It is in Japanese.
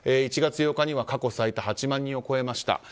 １月８日には過去最多８万人を超えました。